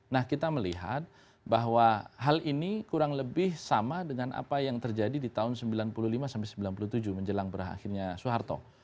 nah kita melihat bahwa hal ini kurang lebih sama dengan apa yang terjadi di tahun seribu sembilan ratus sembilan puluh lima sampai seribu sembilan ratus sembilan puluh tujuh menjelang berakhirnya soeharto